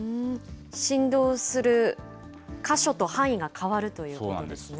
振動する箇所と範囲が変わるということですね。